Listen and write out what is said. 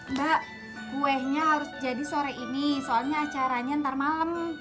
mbak kuenya harus jadi sore ini soalnya acaranya ntar malam